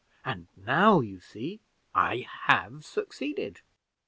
And now, you see, I have succeeded."